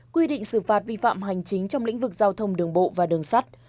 quy định xử phạt vi phạm hành chính trong lĩnh vực giao thông đường bộ và đường sắt